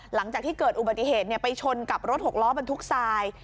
หลังจากที่เกิดอุบัติเหตุไปชนกับรถหกล้อบรรทุกทราย